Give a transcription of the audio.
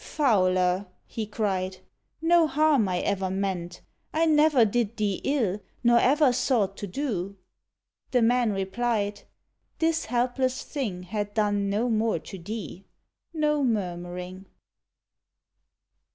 "Fowler," he cried, "no harm I ever meant: I never did thee ill, nor ever sought To do." The man replied, "This helpless thing Had done no more to thee; no murmuring!"